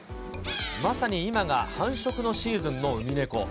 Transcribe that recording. まさに今が繁殖のシーズンのウミネコ。